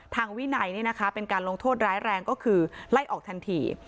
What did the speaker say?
วินัยเป็นการลงโทษร้ายแรงก็คือไล่ออกทันที